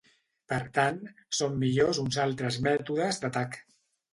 Per tant, són millors uns altres mètodes d'atac.